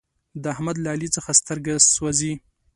د احمد له علي څخه سترګه سوزي.